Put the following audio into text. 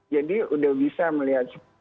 jadi sudah bisa melihat